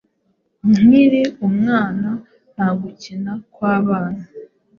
Nkiri umwana, nta gukina kwabana